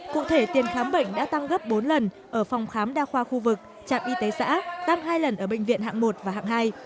cụ thể tiền khám bệnh đã tăng gấp bốn lần ở phòng khám đa khoa khu vực trạm y tế xã tăng hai lần ở bệnh viện hạng một và hạng hai